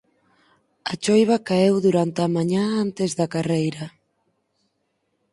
A choiva caeu durante a mañá antes da carreira.